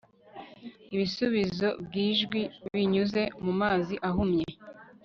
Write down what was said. Ibisubizo byijwi binyuze mumazi ahumye